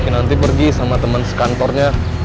nanti pergi sama teman sekantornya